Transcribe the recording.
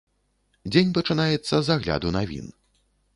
Дзень пачынаецца з агляду навін.